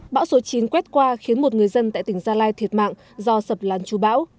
bão số chín quét qua khiến một người dân tại tỉnh gia lai thiệt mạng do sập lan chú bão